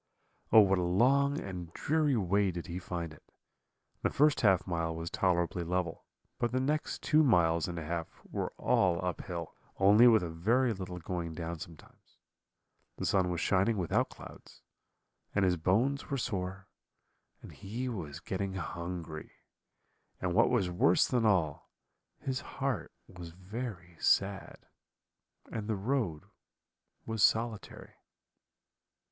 "Oh, what a long and dreary way did he find it! The first half mile was tolerably level, but the next two miles and a half were all uphill, only with a very little going down sometimes. The sun was shining without clouds, and his bones were sore, and he was getting hungry; and what was worse than all, his heart was very sad, and the road was solitary.